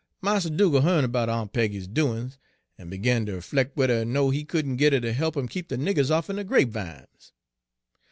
Mars Dugal' hearn 'bout Aun' Peggy's doin's, en begun ter 'flect whe'r er no he couldn' git her ter he'p him keep de niggers off'n de grapevimes.